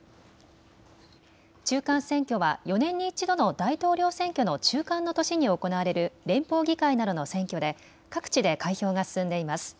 中間選挙は４年に１度の大統領選挙の中間の年に行われる連邦議会などの選挙で各地で開票が進んでいます。